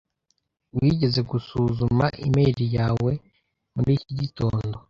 Wigeze gusuzuma imeri yawe muri iki gitondo?